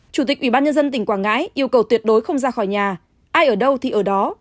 chủ tịch ubnd tỉnh quảng ngãi yêu cầu tuyệt đối không ra khỏi nhà ai ở đâu thì ở đó